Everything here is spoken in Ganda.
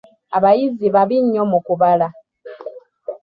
Abayizi babi nnyo mu kubala.